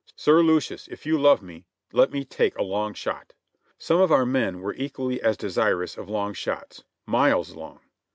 Sir Lucius, if you love me, let me take a long shot !" Some of our men were equally as desirous of long shots — miles long.